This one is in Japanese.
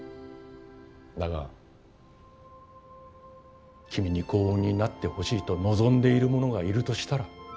だが君に幸運になってほしいと望んでいる者がいるとしたら。